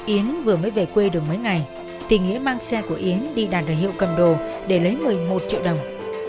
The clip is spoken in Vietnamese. yến vừa mới về quê được mấy ngày thì nghĩa mang xe của yến đi đàn đời hiệu cầm đồ để lấy một mươi một triệu đồng